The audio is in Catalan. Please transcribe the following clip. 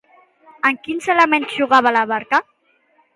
Amb quins elements xocava la barca?